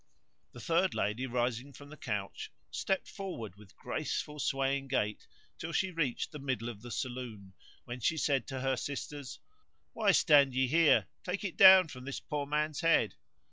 [FN#152]The third lady rising from the couch stepped forward with grace ful swaying gait till she reached the middle of the saloon, when she said to her sisters, "Why stand ye here? take it down from this poor man's head!"